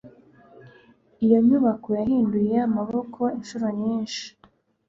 Iyo nyubako yahinduye amaboko inshuro nyinshi.